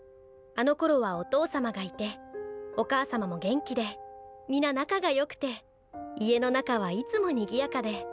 あのころはお父様がいてお母様も元気で皆仲が良くて家の中はいつもにぎやかで。